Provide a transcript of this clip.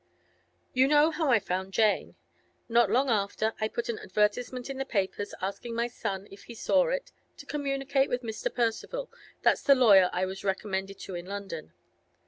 'You know how I found Jane. Not long after, I put an advertisement in the papers, asking my son, if he saw it, to communicate with Mr. Percival—that's the lawyer I was recommended to in London.